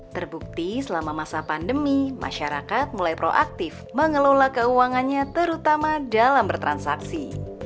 terbukti selama masa pandemi masyarakat mulai proaktif mengelola keuangannya terutama dalam bertransaksi